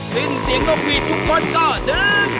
ซึ่งเสียงนกหวีดทุกคนก็ดึง